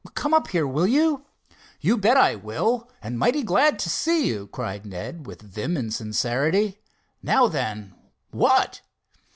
"Come up here, will you?" "You bet I will, and mighty glad to see you," cried Ned, with vim and sincerity. "Now then—what?"